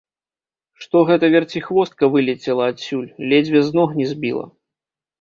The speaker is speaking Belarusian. Што гэта верціхвостка вылецела адсюль, ледзьве з ног не збіла.